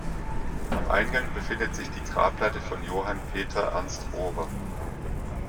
Am Eingang befindet sich die Grabplatte von Johann Peter Ernst Rohrer.